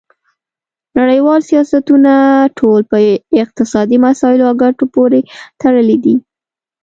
نړیوال سیاستونه ټول په اقتصادي مسایلو او ګټو پورې تړلي دي